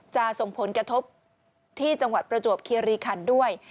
ส่งผลกระทบที่จังหวัดประจวบคีรีคันด้วย